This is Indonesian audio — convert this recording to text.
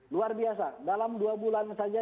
luar biasa dalam dua bulan saja